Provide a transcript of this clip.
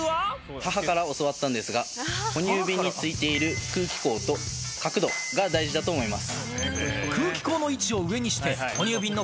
母から教わったんですが、哺乳瓶についている空気孔と角度が大事だと思います。